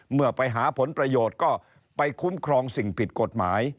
เมื่อไปหาผลประโยชน์ก็ไปคุ้มครองสิ่งผิดกฎหมาย